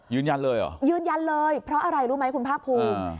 ยืนยันเลยเหรอยืนยันเลยเพราะอะไรรู้ไหมคุณภาคภูมิ